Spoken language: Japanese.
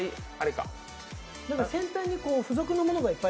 先端に付属のものがいっぱい。